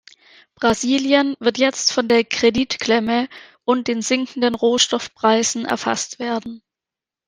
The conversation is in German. Brasilien wird jetzt von der Kreditklemme und den sinkenden Rohstoffpreisen erfasst werden.